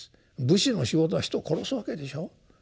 武士の仕事は人を殺すわけでしょう。